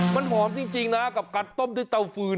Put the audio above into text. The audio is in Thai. มันหอมจริงนะกับการต้มด้วยเตาฟืน